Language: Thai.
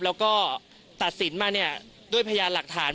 แล้วก็ตัดสินมาเนี่ยด้วยพยานหลักฐาน